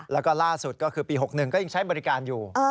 แล้วก็ล่าสุดก็คือปี๖๑ก็ยังใช้บริการอยู่